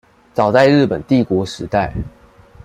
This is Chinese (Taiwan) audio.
早在日本帝國時代